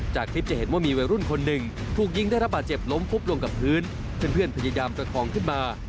จากคลิปจะเห็นว่ามีวัยรุ่นคนหนึ่งถูกยิงได้รับบาดเจ็บล้มฟุบลงกับพื้นเพื่อนพยายามประคองขึ้นมา